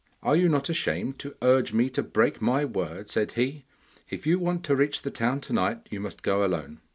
'Are you not ashamed to urge me to break my word?' said he. 'If you want to reach the town to night you must go alone.